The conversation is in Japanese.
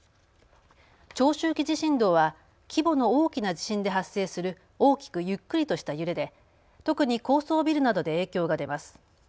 長周期地震動は規模の大きな地震で発生する大きくゆっくりとした揺れで特に高層ビルなどで影響が出ます。